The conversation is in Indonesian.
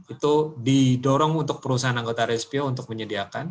itu didorong untuk perusahaan anggota rspo untuk menyediakan